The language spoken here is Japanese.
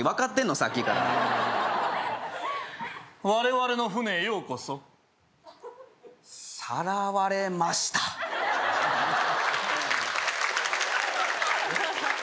さっきから我々の船へようこそさらわれましたえっ？